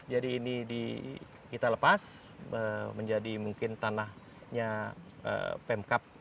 jadi ini kita lepas menjadi mungkin tanahnya pemkap